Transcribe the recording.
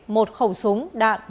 một khẩu súng